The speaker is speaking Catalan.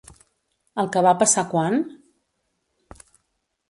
El que va passar quan?